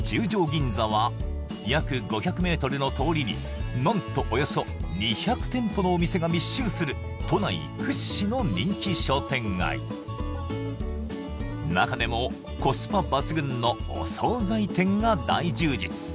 銀座は約５００ｍの通りに何とおよそ２００店舗のお店が密集する都内屈指の人気商店街中でもコスパ抜群のお総菜店が大充実